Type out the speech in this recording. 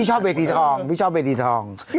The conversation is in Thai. เออเรียบร้อยพี่ชอบเวตอีทอง